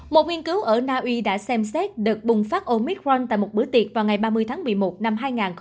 một nghiên cứu ở na uy đã xem xét đợt bùng phát omicron tại một bữa tiệc vào ngày ba mươi tháng một mươi một năm hai nghìn hai mươi một